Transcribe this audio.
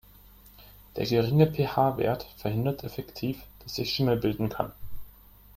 Der geringe PH-Wert verhindert effektiv, dass sich Schimmel bilden kann.